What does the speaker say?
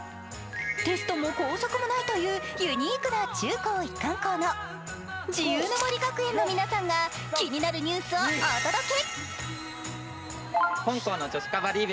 テストも校則もないというユニークな中高一貫校の自由の森学園の皆さんが気になるニュースをお届け。